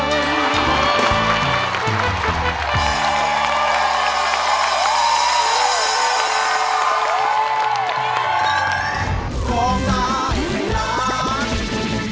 ของตาให้รัก